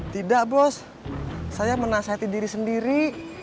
tidak bos saya menasehati diri sendiri